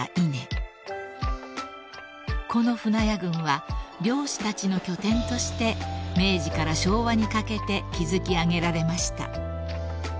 ［この舟屋群は漁師たちの拠点として明治から昭和にかけて築き上げられました］